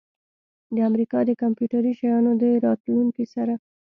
د امریکا د کمپیوټري شیانو د راتلونکي سره